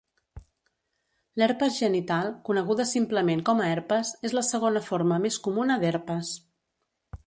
L'herpes genital, coneguda simplement com a herpes, és la segona forma més comuna d'herpes.